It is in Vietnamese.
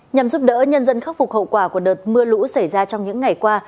nhằm giúp đỡ nhân dân khắc phục hậu quả của đợt mưa lũ xảy ra trong những ngày qua